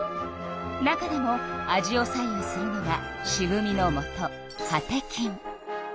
中でも味を左右するのがしぶみのもとカテキン。